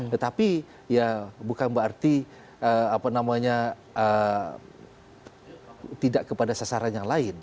tetapi ya bukan berarti apa namanya tidak kepada sasaran yang lain